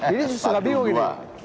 ini sudah diunggah